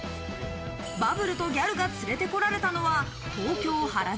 バブルとギャルが連れてこられたのは東京・原宿。